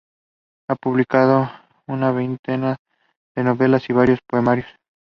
There were several theories regarding the reason behind her murder.